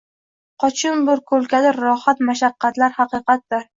Qochyun bir koʻlkadir rohat, mashaqqatlar haqiqatdir